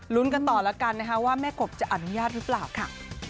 กันต่อแล้วกันนะคะว่าแม่กบจะอนุญาตหรือเปล่าค่ะ